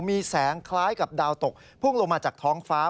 มีแสงคล้ายกับดาวตกพุ่งลงมาจากท้องฟ้า